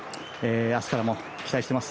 明日からも期待しています。